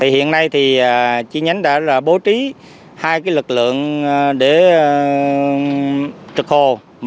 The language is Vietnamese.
hiện nay thì chi nhánh đã bố trí hai lực lượng để trực hồ